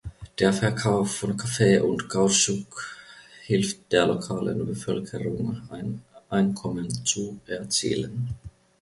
Der Verkauf von Kaffee und Kautschuk hilft der lokalen Bevölkerung ein Einkommen zu erzielen.